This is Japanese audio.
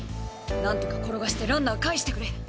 なんとか転がしてランナーかえしてくれ！